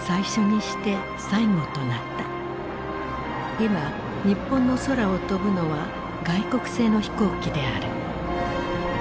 今日本の空を飛ぶのは外国製の飛行機である。